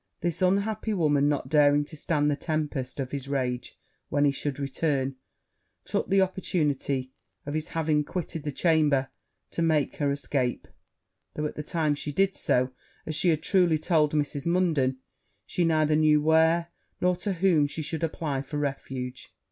This unhappy woman, not daring to stand the tempest of his rage when he should return, took the opportunity of his having quitted the chamber to make her escape; though, at the time she did so, as she had truly told Mrs. Munden, she neither knew where nor to whom she should apply for refuge.